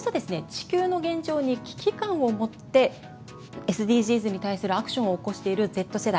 地球の現状に危機感を持ってＳＤＧｓに対するアクションを起こしているＺ世代